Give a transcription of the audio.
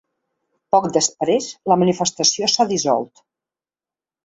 Poc després la manifestació s’ha dissolt.